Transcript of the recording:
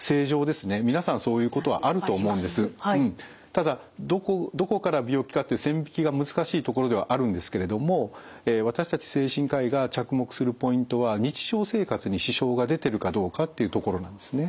ただどこから病気かっていう線引きが難しいところではあるんですけれども私たち精神科医が着目するポイントは日常生活に支障が出てるかどうかっていうところなんですね。